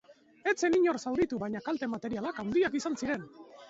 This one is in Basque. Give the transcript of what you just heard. Ez zen inor zauritu, baina kalte materialak handiak izan ziren.